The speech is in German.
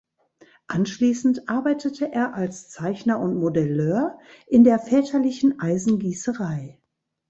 Anschließend arbeitete er als Zeichner und Modelleur in der väterlichen Eisengießerei.